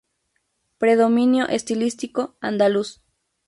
Predominio estilístico: Andaluz.